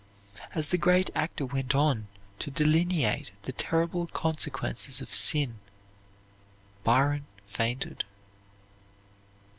As the great actor went on to delineate the terrible consequences of sin, Byron fainted.